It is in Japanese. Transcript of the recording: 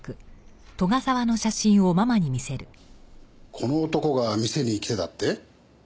この男が店に来てたって？